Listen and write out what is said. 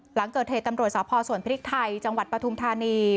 หลังเกิดเหตุตำรวจสพสวนพริกไทยจังหวัดปฐุมธานี